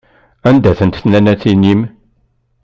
Anda-tent tnannatin-im?